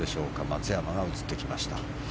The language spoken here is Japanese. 松山が映ってきました。